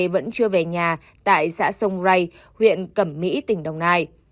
vẫn chưa về nhà tại xã sông rây huyện cẩm mỹ tỉnh đồng nai